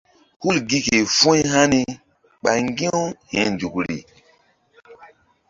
Hul gi ke fu̧y hani ɓa ŋgi̧-u hi̧ nzukri.